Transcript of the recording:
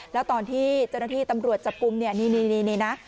แล้วตอนที่เจ้าหน้าที่ตำรวจจับกลุ่มเนี่ยนี่นะ